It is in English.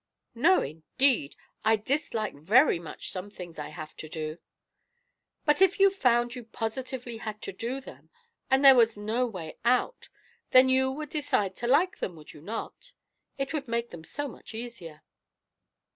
"No, indeed; I dislike very much some things I have to do." "But if you found you positively had to do them, and there was no way out, then you would decide to like them, would you not? It would make them so much easier."